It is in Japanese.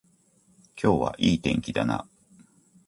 今日はいい天気だな